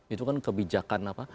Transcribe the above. itu kan kebijakan apa